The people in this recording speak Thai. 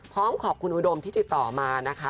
พร้อมขอบคุณอุดมที่ติดต่อมานะคะ